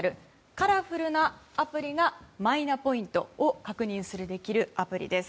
カラフルなアプリがマイナポイントを確認できるアプリです。